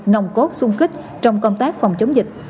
nồng cốt sung kích trong công tác phòng chống dịch